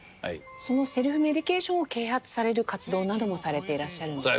そのセルフメディケーションを啓発される活動などもされていらっしゃるんですね。